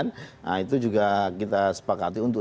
nah itu juga kita sepakati untuk